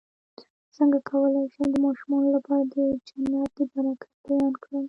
څنګه کولی شم د ماشومانو لپاره د جنت د برکت بیان کړم